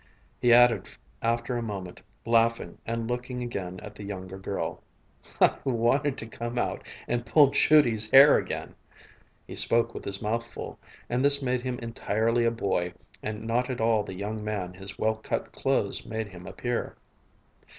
He added after a moment, laughing and looking again at the younger girl, "I wanted to come out and pull Judy's hair again!" He spoke with his mouth full, and this made him entirely a boy and not at all the young man his well cut clothes made him appear.